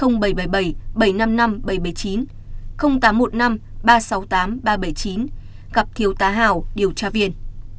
gặp thiếu tá hảo điều tra viên